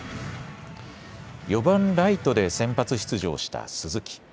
４番・ライトで先発出場した鈴木。